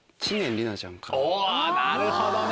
おぉなるほどね。